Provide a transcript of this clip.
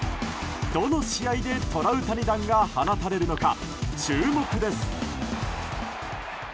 どの試合でトラウタニ弾が放たれるのか、注目です。